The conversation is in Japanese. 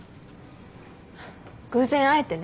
偶然会えてね。